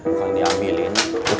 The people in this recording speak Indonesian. nih bukan diambilin